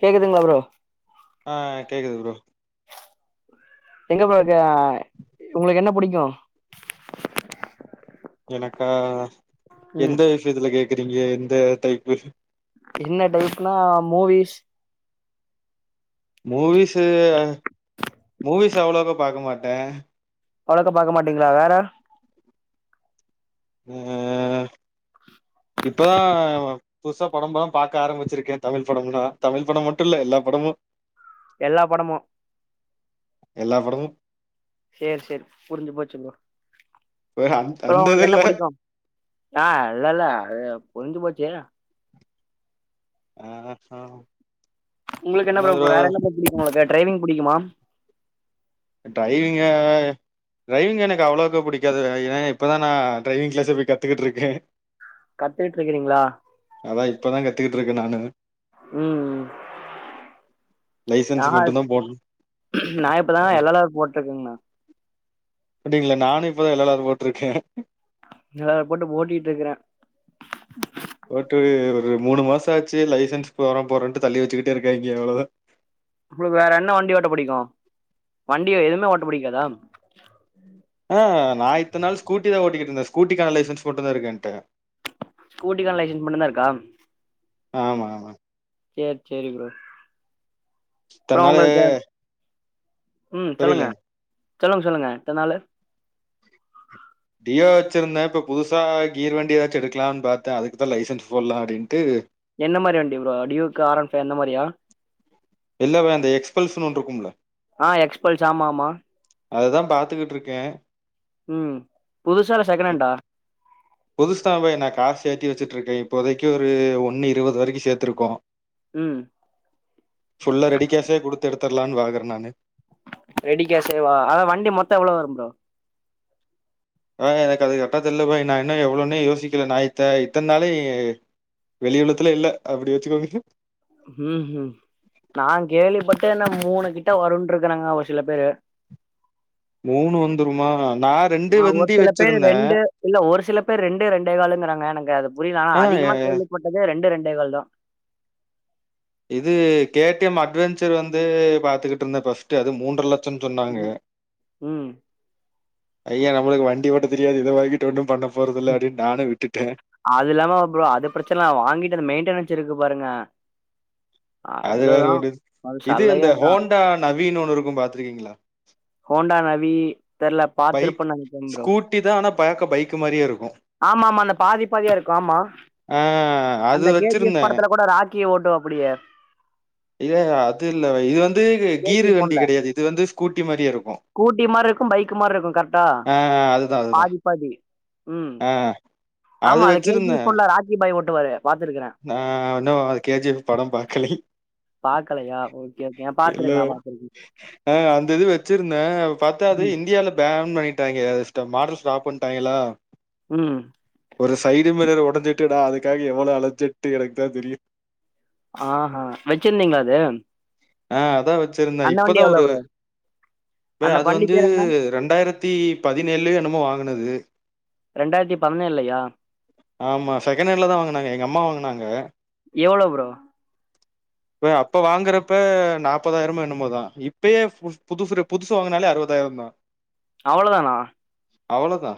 கேக்குதுங்ளா ப்ரோ ஆ கேக்குது ப்ரோ எங்க ப்ரோ இது ஆ உங்ளுக்கு என்ன புடிக்கு எனக்கா ம் எந்த விஷ்யத்துல கேக்குறீங்க எந்த டைப்பு என்ன டைப்னா மூவிஸ் மூவிஸ்ஸு மூவிஸ் அவுளோக்கா பாக்க மாட்ட அவ்ளாக்க பாக்க மாட்டீங்ளா வேற அ இப்பதா புதுசா படம்பலா பாக்க ஆரமிச்சிருக்கே தமிழ் படமுளா தமிழ் படம் மட்டுல்ல எல்லா படமு எல்லா படமு எல்லா படமு சேர் சேர் புரிஞ்சு போச்சு ப்ரோ அந் அப்புறோ அந்த இது உங்ளுக்கு என்ன இல்ல புடிக்கு ஆ இல்ல இல்ல அது புரிஞ்சு போச்சு ஆ அ படமு உங்ளுக்கு என்ன ப்ரோ வேற என்ன ப்ரோ புடிக்கு உங்ளுக்கு டிரைவிங் புடிக்குமா ட்ரைவிங்க ட்ரைவிங் எனக்கு அவ்ளவுக்கு பிடிக்காது ஏனா இப்பதான் நான் ட்ரைவிங் கிளாஸ் போய் கத்துக்கிட்டுருக்கேன் கத்துக்கிட்டு இருக்கிறீங்களா அதான் இப்பதான் கத்துக்கிட்டு இருக்கன் நானு ம் லைசன்ஸ் மட்டுந்த போடணு நான் இப்பதாங்க எல் எல் ஆர் போட்டிருக்க அப்படிங்களா நானும் இப்பதான் எல் எல் ஆர் போட்டிருக்கேன் அ போட்டு ஓட்டிட்டு இருக்கறேன் போட்டு ஒரு மூணு மாசம் ஆச்சு லைசன்ஸ் போட போரோன்ட்டு தள்ளி வச்சுக்கிட்டே இருக்கேன் இங்க அவ்வளோதான் உங்களுக்கு வேற என்ன வண்டி ஓட்ட புடிக்கும் வண்டிய எதுவுமே ஓட்ட பிடிக்காதா ஆ நான் இத்தன் நாள் ஸ்கூட்டிதான் ஓட்டிட்டு இருந்தன் ஸ்கூட்டிக்கான லைசன்ஸ் மட்டும் தான் இருக்கு எண்ட ஸ்கூட்டிகான லைசன்ஸ் மட்டும் தான் இருக்கா ஆமா செர் செரி ப்ரோ அப்றோ இத்தன்னால உங்களுக்கு ம் சொல்லுங்க சொல்லுங்க சொல்லுங்க இத்த நாள் டியோ வச்சிருந்தேன் இப்போ புதுசா கீர் வண்டி எதாச்சும் எடுக்கலாம்னு பார்த்தேன் அதுக்குதான் லைசன்ஸ் போடலாம் அப்படின்ட்டு என்ன மாதிரி வண்டி ப்ரோ டியூக்கு ஆரன் ஃபை அந்த மாதிரியா இல்ல ப்ரோ அந்த எக்ஸ்பல்சனு ஒன்னு இருக்கும் ப்ரோ ஆ எக்ஸ்பல்ஸ் ஆமா ஆமா அததான் பாத்துக்கிட்டு இருக்கேன் ம் புதுசா இல்ல செகண்ட் ஹண்டா புதுசு தான் ப்ரோ நான் காசு சேர்த்தி வச்சுட்டு இருக்கேன் இப்போதைக்கு ஒரு ஒன்னு இருபது வரைக்கும் சேர்த்திருக்கோம் ம் ஃபுல்ல ரெடி கேஸே கொடுத்துட எடுத்தர்லான்னு பாக்குறேன் நான் ரெடி கேஷ்சேவா அத வண்டி மொத்தம் எவ்வளோ வரும் ப்ரோ ஆ எனக்கு அது கரட்டா தெரியல பாய் நான் இன்னும் எவ்வளவுன்னே யோசிக்கல நான் இத்த இத்தனாலு வெளியினத்துல்ல அப்படி வச்சுக்கோங்கு உகும் நான் கேள்வி பட்டேன் என்ன மூணு கிட்ட வருரும் இருக்கிறேங்க ஒரு சில பேரு மூணு வந்துருமா நா ரெண்டு ந ஒரு வண்டி சில பேர் வச்சிருந்தே ரெண்டு இல்ல ஒரு சில பேர் ரெண்டு ரெண்டே காளுங்கிறாங்க எனக்கு அது புரியல ஆனா ஆ அதிகமா கேள்வி பட்டதுே ரெண்டு ரெண்டைகள் தான் இது கேடிஎம் அட்வெஞ்சர் வந்து பாத்துகிட்டு இருந்தேன் ஃபஸ்ட்‌ அது மூன்ற லட்சம் சொன்னாங்க ம் ம் ஐயா நம்மளுக்கு வண்டி ஓட்ட தெரியாது இதவாங்கி வி ஒன்னும் பண்ண போறத இல்ல அப்டின்னு நானும் விட்டுட்டேன் அது இல்லாம அப்புறம் அது பிரச்சனை வாங்கிட்டு அந்த மெயின்டெனன்ஸ் இருக்கு பாருங்க அது வேற அதுதா ஒரு அது இது சல்லையா இந்த அதா ஹோண்டா நவீனனு இருக்கும் பாத்துருக்கீங்களா ஹண்டா நவி தெர்ல பைக் பாத்துருப்பன்னு நெனைக்கிறே ப்ரோ ஸ்கூட்டி தான் ஆனா பாக்க பைக் மாதிரியே இருக்கும் ஆமா ஆமா அந்த பாதி பாதியா இருக்கும் ஆமா ஆஹ அந்த கேஜிஎஃப் படத்துல கூட ராக்கிய ஓட்டுவ அப்படியே இ அது இல்ல இது வந்து கே ஜி கீரு எஃப் வண்டி ஒன்ல கிடையாது இது வந்து ஸ்கூட்டி மாதிரிய இருக்கும் ஸ்கூட்டி மாதிரி இருக்கும் பைக்கு மாதிரி இருக்கும் கரெக்டா ஆ அதுதா அதுதா பாதி பாதி ம் ஆ அது ஆமா அத வச்சிருந்தே கேஜிப்புல ராக்கி பாய் ஓட்டுவாரு பாத்துருக்கிறே நா இன்னு அது கேஜிப் படோ பாக்கலே பாக்கலயா ஓகே ஓகே பாத்துருக்கே பாத்துருக்கே ஆ அந்த இது வச்சிருந்தே பாத்தா அது ம் இந்தியால பேன் பண்ணிட்டு டாங்க மாடல் ஸ்டாப் பண்ணிட்டாங்களா ம் ஒரு சைடு மேல உடைஞ்சிட்டு நா அதுக்காக எவ்ளோ அழஞ்சிட்டு இருக்க தெரியு ஆ ஹ வெச்சிருந்தீங்களா அது ஆ அதா வச்சிருந்தே அந்த வண்டி இப்பதா எவ்ளோ ஒரு ப்ரோ இ அந்த அது வண்டி வந்து பேர் என்ன இரண்டாயிரத் த்திபதினேழு என்னமோ வாங்குனது ரெண்டாயிரத்தி பதினேழுலயா ஆமா செகண்ட் ஹாண்ட்ல தா வாங்குனாங்க எங்கள் அம்மா வாங்குனாங்க எவ்ளோ ப்ரோ இ அப்போ வாங்குறப்ப நாற்பதாயிரம என்னமோதா இப்பயே புதுசு புதுசு வாங்கினாலே அறுபதாயிரோ தா அவ்ளோ தானா அவ்ளோதா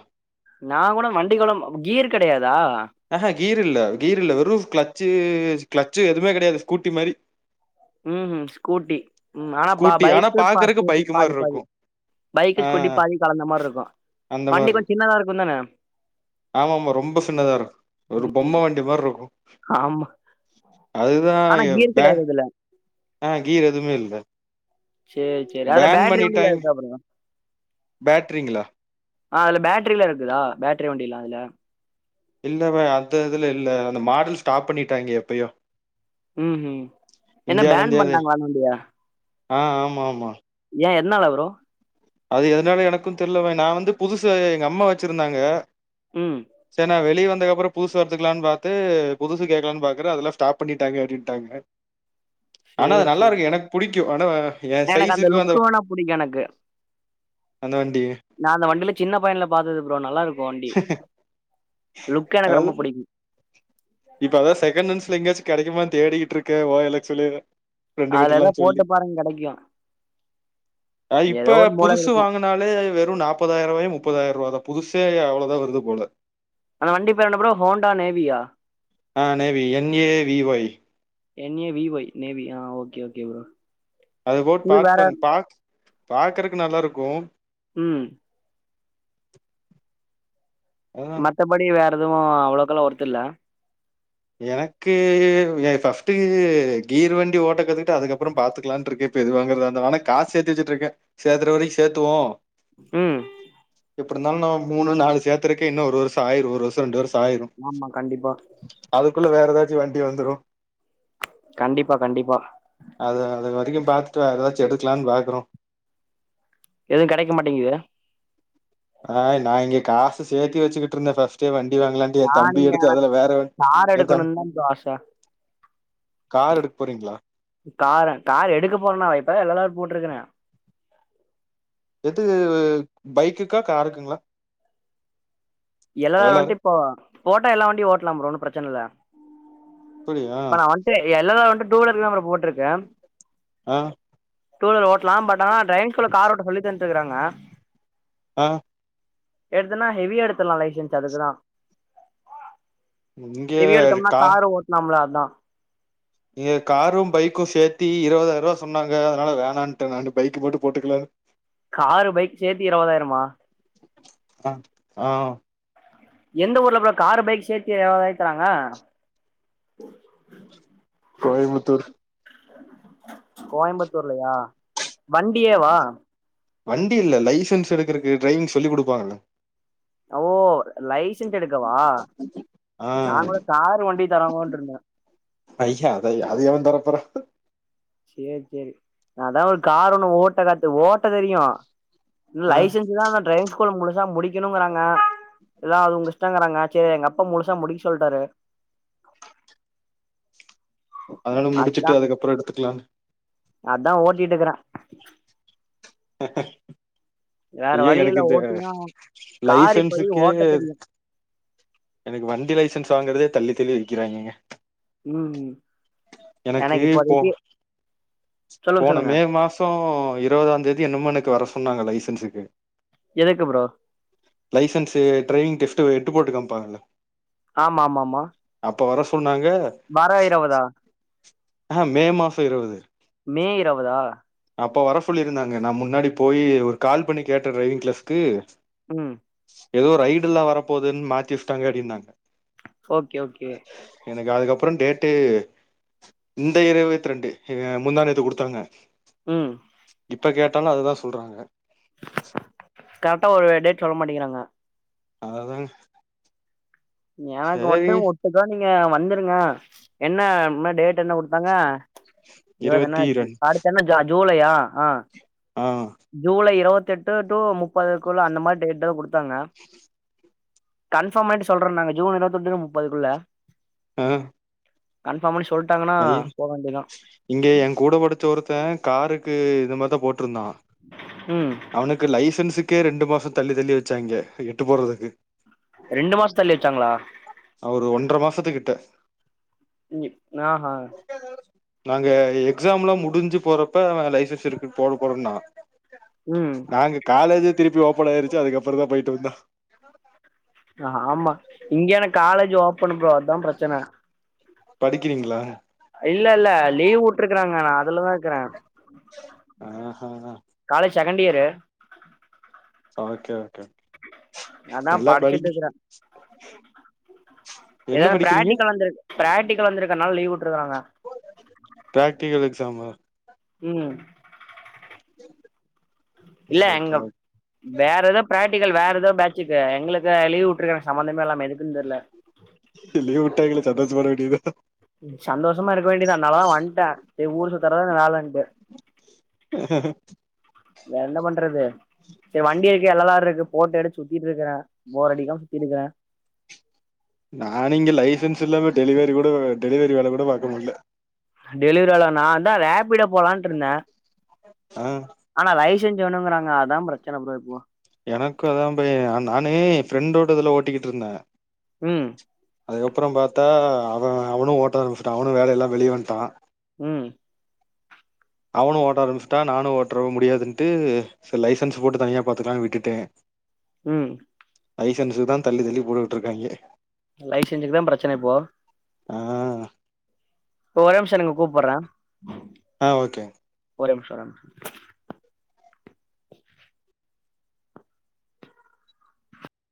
நா கூட வண்டி குளம் கீர் கிடையாதா ஆஹா கீர் இல்ல கீர் இல்ல வெறு கிளச்சு கிளச்சி எதுமே கிடையாது ஸ்கூட்டி மாரி ம்ம் ஸ்கூட்டி ம் ஆனா பா ஸ்கூட்டி ஆனா பைக்கு பா பாக்குறக்கு ஸ்கூட்டி பைக் பாதி மாரி பாதி இருக்கு பைக்கு ஆ ஸ்கூட்டி பாதி கலந்த மாதிரி இருக்கு அந்த வண்டி கொஞ்சோ சின்னதா இருக்கு தானே ஆமா ஆமா ரொம்ப சின்னதா இருக்கு ஒரு பொம்ம வண்டி மாரி இருக்கு ஆமா அதுதா ஆனா எ கியர் பே கெடையாது இதுல ஆ கீர் எதுமே இல்ல சேரி சேரி ஆன பேன் பேட்ரி வண்டில இருக்கா ப்ரோ பேட்ரீங்களா ஆ அது பேட்ரில இருக்குதா பேட்ரி வண்டிலா அதுல இல்ல பா அந்த இதுல இல்ல அந்த மாடல் ஸ்டாப் பண்ணிட்டாங்க எப்பயோ ம் ம் என்ன இந்தியால பேன் இருந்தே அது பண்ட்டாங்களா அந்த வண்டிய ஆ ஆமா ஆமா ஏ எதுனால ப்ரோ அது எதுனால எனக்கு தெரியலவ நா வந்து புதுசு எங்க அம்மா வச்சிருந்தாங்க ம் செரி நா வெளியே வந்ததுக்கப்பறோ புதுசு வச்சுகலாம்னு பாத்து புதுச கேட்கலான்னு பாக்கற அதல்லா ஸ்டாப் பண்ணிட்டாங்க அப்டிண்ட்டாங்க ஆனா அது சேரி நல்லா சேரி இருக்கு எனக்கு புடிக்கு ஆன எனக்கு அந்த லுக்கு வேணா புடிக்கு எனக்கு அந்த வண்டி நா அந்த வண்டியில சின்ன பையன்ல பார்த்தது ப்ரோ நல்லா இருக்கு வண்டி லுக் எனக்கு அது ரொம்ப பிடிக்கு இப்ப அதா செகண்ட் ஹண்ட்ஸ்ல எங்காச்சு கிடைக்குமானு தேடிக்கிட்டு இருக்க ஓ எல் எக்ஸ் சொல்லி ஃப்ரண்ட் கிட்ட அதுல எல்லா எதா சொல்லி போட்டு பாருங்க கெடைக்கு அ ஏதோ இப்ப ஒரு மூலைல புதுசு இருக்கு வாங்கு னாலே வெறு நாற்பதாயிர ரூபாயோ முப்பதாயிர ரூபாதா புதுசே அவ்ளோதா வருது போல அந்த வண்டி பேர் என்ன ப்ரோ ஹோண்டா நேவியா ஆ Navi N A V Y N A V Y Navi ஆ ஓகே ஓகே ப்ரோ அது போட்டு இது பார வேற பாருங்க பா பாக்குறக்கு நல்லா இருக்கு ம் [inaudible] அதா மத்த படி வேற் எதுவு அவ்ளோக்கல்லா ஒர்த் இல்ல எனக்கு ஏ ஃபஸ்ட்டு கீர் வண்டி ஓட்ட கத்துக்கிட்டு அதுக்கப்புற பாத்துக்லான்ருக்கே இப்ப இது வாங்கற்தா இருந்தா ஆனா காஸ் சேத்து வெச்சுட்டுக்கே சேத்துர வரைக் சேத்துவோ ம் எப்புடுந்தாலு நா மூணு நாலு சேத்துருக்கே இன்ன ஒரு வருஷ ஆயிரு ஒரு வருஷ ரெண்டு வருஷ ஆயிரு ஆமா கண்டிப்பா அதுக்குள்ள வேற எதாச்சு வண்டி வந்துரு கண்டிப்பா கண்டிப்பா அது அது வரக்கு பாத்துட்டு வேற் எதாச்சு எடுக்லான் பாக்குறோ எது கடைக் மாட்டேங்கிது ஆய் நா இங்க காசு சேத்தி வெச்சிகிட்ருந்த ஃபஸ்ட்டே வண்டி வாங்லான் ஏ நா தம்பி நீங்க எடுத்து அதுல வேற வண் கார் ஏ தம் எடுக்கணுன் தா ப்ரோ ஆச கார் எடுக் போறீங்ளா கார கார் எடுக்க போறேன்னாவா இப்பதா எல் எல் ஆர் போட்ருக்குற எது பைக்குக்கா காருக்குங்ளா எல் எல் ஆர் எவ்ளாரு வந்துட்டு இப்போ போட்டா எல்லா வண்யு ஓட்லா ஒன்னு பிரச்சன இல்ல அப்படியா இப்ப நா வந் சரி எல் எல் ஆர் வந்ட்து டூவீலர்க்கு தா ப்ரோ போட்ருக்க அ டூவீலர் ஓட்லா பட் ஆனா ட்ரைவிங் கூல்ல கார் ஓட்ட சொல்லி தந்த்ட்டுக்குறாங்க அ எடுத்துன்னா ஹெவியா எடுத்துர்லா லைசன்ஸ் அதுக்குதா இங்க ஹெவியா எடுத்தம்னா கா காரு ஓட்லாம்ல அதா நீங்க காரு பைக்கு சேத்தி இருவதாயர்வா சொன்னாங்க அதனால வேணான்ட்ட நானு பைக்கு மட்டு போட்டுக்லான் காரு பைக் சேத்தி இருவதாய்ரமா ப ஆ எந்த ஊர்ல போல காரு பைக் சேத்தி எவாரக் தறாங்க கோயமுத்தூர் கோயம்புத்தூர்லயா வண்டியேவா வண்டி இல்ல லைசன்ஸ் எடுக்குறக்கு ட்ரைவிங் சொல்லி குடுப்பாங்கல்ல ஓ லைசன்ஸ் எடுக்கவா ஆ நாங்களு காரு வண்டி தராங்ளோன்ருந்த ஐய அத அது எவ தற போற சேர் சேரி நா அதா ஒரு கார் ஒன்னு ஓட்ட கத்து ஓட்ட தெரியு ஆ லைசன்ஸுதா அந்த ட்ரைவிங் ஸ்கூல முழுசா முடிக் க்கின்ணுங்றாங்க இல்னா அது உங்க இஷ்டங்குறாங்க செரி எங்க அப்பா முழுசா முடிக்க சொல்ட்டாரு [unintelligible] அதனால அதா முடிச்சுட்டு அதுக்கப்புற எடுத்துக்லா அதா ஓட்டிட்ருக்குற வேற ஏ வழி எனக்கு இல்ல இந்த ஓட்டிதா கார் இப்பதைக்கு லைசன்ஸுக்கே ஓட்ட தெரியு எனக்கு வண்டி லைசன்ஸ் வாங்குறதே தள்ளி தள்ளி வக்கிறாய்ங்கங்க ம் ம் எனக்கு இப்போ சொல்லுங்க போன சொல்லுங்க மே மாசோ இருவதாந்தேதி என்னமோ எனக்கு வர சொன்னாங்க லைசன்ஸுக்கு எதுக்கு ஃப்ரோ லைசன்ஸு ட்ரைவிங் டெப்டு எட்டு போட்டு காம்ப்பாங்க ஆமா ஆமா ஆமா அப்போ வர சொன்னாங்க வர இருவதா ஆ மே மாசோ இருவது மே இருவதா அப்போ வர சொல்லி இருந்தாங்க நா முன்னாடி போய் ஒரு கால் பண்ணி கேட்டே டிரைவிங் கிளஸ்க்கு ம் ஏதோ ரைடுல்லா வரப்போகுதுன் மாத்தி வச்சிட்டாங்க அப்டினாங்க ஓகே ஓகே எனக்கு அதுக்கப்றோ டேட்டு இந்த இருவத்ரெண்டு இ முந்தா நேத்து குடுத்தாங்க ம் இப்ப கேட்டாலு அதுதா சொல்றாங்க கரெக்டா ஒரு டேட் சொல்ல மாட்டேக்கிறாங்க அத தா எனக்கு வந்ட்டு ஒட்டுக்கா நீங்க வந்துருங்க என்ன ம டேட் என்ன குடுத்தாங்க அய்யோ அது இருவத்தி என்னது ரெண் அடுத்து என்ன ஜா ஜுலையா ஆ ஆ ஜூலை இருவெத்தெட்டு டூ முப்பதுக்குள்ள அந்த மாரி டேட் தா குடுத்தாங்க கன்பார்ம் பண்ட்டு சொல்றேன்னாங்க ஜூன் இருவத்தெட்டு முப்பதுக்குள்ள அ கன்பார்ம் பண்ணி சொல்ட்டாங்கன்னா போ வேண்டியதா இங்க எ கூட படிச்ச ஒருத்த காருக்கு இது மாதிரிதா போட்டிருந்தா ம் அவனுக்கு லைசன்ஸுக்கே ரெண்டு மாசோ தள்ளி தள்ளி வச்சாய்ங்க எட்டு போடுறதுக்கு ரெண்டு மாசோ தள்ளி வச்சாங்ளா ஆ ஒரு ஒன்ர மாசத்துக்கிட்ட ம்யி நாகா நாங்க எக்ஸாம்லா முடிஞ்சு போறப்ப லைசன்ஸ் இருக்கு போட போறேன்னா ம் அங்க காலேஜே திருப்பி ஓபன் ஆயிருச்சு அதுக்கப்புறந்தா போயிட்டு வந்தா ஆ ஆமா இங்க எனக் காலேஜ் ஓப்பன் ஃப்ரோ அதா பிரச்சன படிக்கிறீங்ளா இல்ல இல்ல லீவ் வுட்டுருக்குறாங்க நா அதுலதா இருக்றே ஆஹா college second year so okay okay okay அதா படிச்சுட் இருக்றே என்ன எதாவது படிக்கிறீங்க பிராக்டிகல் வந்துருக்கு பிராக்டிக்கல் வந்திருக்றனால லீவ் வுட்ருக்குறாங்க பிராக்டிகல் எக்ஸாமா ம் இல்ல ஓகே எங்கம் வேற ஏதோ பிராக்டிக்கல் வேற ஏதோ பேட்சுக்கு எங்ளுக்கு லீவ் வுட்டுருக்காங் சம்பந்தமே இல்லாம எதுக்குன் தெர்ல ஏ லீவ் வுட்டா எங்கள சந்தோசோ பட வேண்டிய தா சந்தோஷமா இருக்க வேண்டிய தா அதனால தா வந்ட்டே சேரி ஊரு சுத்துறதுதா இனி வேலன்ட்டு வேற என்ன பண்றது சேரி வண்டி இருக்கு எல் எல் லார் இருக்கு போட்டு எடுத்து சுத்திட்டு இருக்கறே போர் அடிக்காம சுத்திருக்கன் நானு இங்க லைசன்ஸ் இல்லாம டெலிவரி கூட டெலிவரி வேல கூட பாக்க முட்ல டெலிவரி வேல நா தா ரேப்பிடோ போலான்ட்டு இருந்த ஆ அனா லைசென்ஸ் வேணுங்கறாங்க அதான் பிரச்சன புரோ‌ இப்போ எனக்கும் அதா பயம் நானு ஃப்ரெண்டோட இதுல ஓட்டிக்கிட்டுருந்த ம் அதுக்கப்புறம் பாத்தா அவன் அவனும் ஓட்ட ஆரம்ச்சுட்டான் அவனும் வேல இல்லாம வெளிய வந்ட்டான் ம் அவனும் ஓட்ட ஆரம்ச்சுட்டான் நானும் ஓட்டுற முடியாதுன்ட்டு சோ லைசன்ஸ் போட்டு தனியா பாத்துக்கலானு விட்டுடேன் ம் லைசன்ஸு தா தள்ளி தள்ளி போட்டுட்டுருக்காயிங்க லைசன்ஸ்க்கு தா பிரச்சன இப்போ ஆ இப்ப ஒரே நிம்ஷம் இருங்க கூப்பறேன் ஆ ஓகே ஒரே நிம்ஷம் வரே